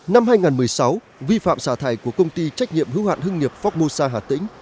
năm hai nghìn một mươi sáu vi phạm xả thải của công ty trách nhiệm hữu hạn hưng nghiệp formosa hà tĩnh